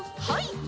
はい。